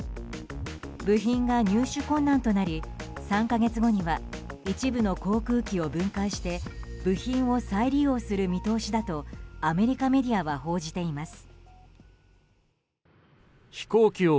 部品が入手困難となり３か月後には一部の航空機を分解して部品を再利用する見通しだとアメリカメディアは報じています。